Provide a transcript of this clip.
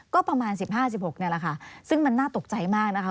ก็ประมาณ๑๕๑๖นี่แหละค่ะซึ่งมันน่าตกใจมากนะคะ